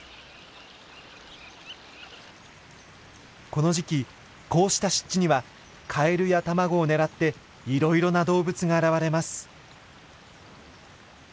この時期こうした湿地にはカエルや卵を狙っていろいろな動物が現れます。